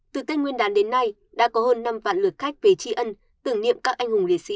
từ tết nguyên đán đến nay đã có hơn năm vạn lượt khách về tri ân tưởng niệm các anh hùng liệt sĩ